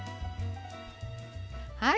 はい。